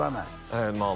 ええまあ